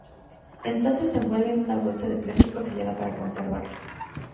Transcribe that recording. Entonces se envuelve en una bolsa de plástico sellada para conservarlo.